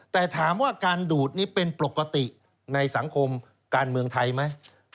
แต่ถามว่าการดูดนี้เป็นปกติในสังคมการเมืองไทยไหม